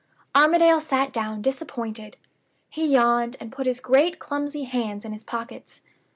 Armadale sat down disappointed; he yawned, and put his great clumsy hands in his pockets.